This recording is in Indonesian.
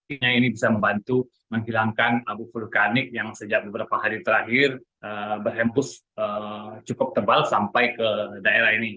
ini bisa membantu menghilangkan abu vulkanik yang sejak beberapa hari terakhir berhembus cukup tebal sampai ke daerah ini